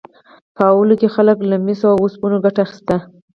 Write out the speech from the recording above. په لومړیو کې خلکو له مسو او اوسپنې ګټه اخیسته.